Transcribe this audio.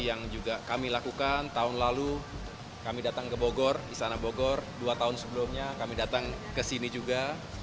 yang juga kami lakukan tahun lalu kami datang ke bogor istana bogor dua tahun sebelumnya kami datang ke sini juga